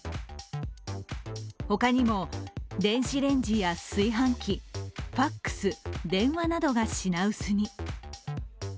他にも、電子レンジや炊飯器、ＦＡＸ、電話などが品薄に。